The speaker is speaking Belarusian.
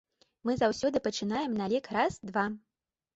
Мы заўсёды пачынаем на лік раз-два.